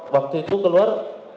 waktu itu keluar